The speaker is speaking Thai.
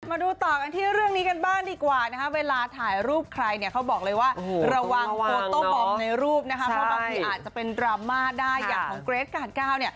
มาดูต่อกันที่เรื่องนี้กันบ้างดีกว่านะคะเวลาถ่ายรูปใครเนี่ยเขาบอกเลยว่าระวังโต้บอมในรูปนะคะเพราะบางทีอาจจะเป็นดราม่าได้อย่างของเกรทกาลเก้าเนี่ย